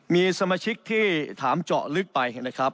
มีสมาชิกที่ถามเจาะลึกไปนะครับ